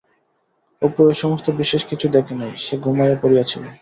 অপু এ সমস্ত বিশেষ কিছু দেখে নাই, সে ঘুমাইয়া পড়িয়াছিল।